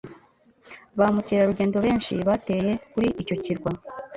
Ba mukerarugendo benshi bateye kuri icyo kirwa.